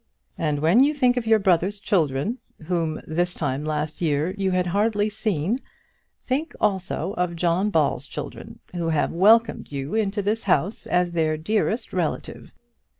And when you think of your brother's children, whom this time last year you had hardly seen, think also of John Ball's children, who have welcomed you into this house as their dearest relative.